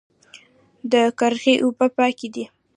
د قرغې اوبه پاکې دي